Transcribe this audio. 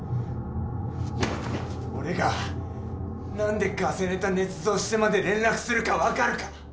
俺が何でガセネタねつ造してまで連絡するか分かるか？